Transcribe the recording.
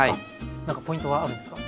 なんかポイントはあるんですか？